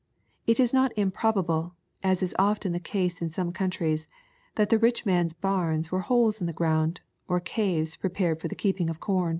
It is not improba ble, as is often the case in some countries, that the rich man's bams were hcles in the ground, or caves, prepared for the keeping of com.